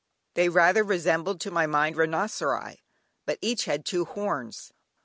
They rather resembled to my mind rhinoceri, but each had two horns.